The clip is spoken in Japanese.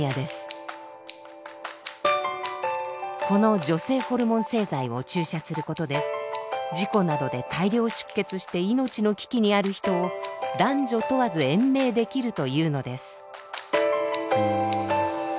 この女性ホルモン製剤を注射することで事故などで大量出血して命の危機にある人を男女問わず延命できるというのです。